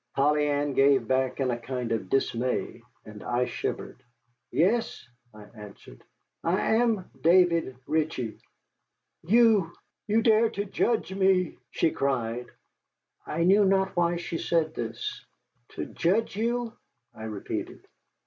Polly Ann gave back in a kind of dismay, and I shivered. "Yes," I answered, "I am David Ritchie." "You you dare to judge me!" she cried. I knew not why she said this. "To judge you?" I repeated.